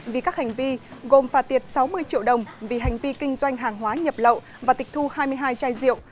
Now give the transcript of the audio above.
vì các hành vi gồm phạt tiệt sáu mươi triệu đồng vì hành vi kinh doanh hàng hóa nhập lậu và tịch thu hai mươi hai chai rượu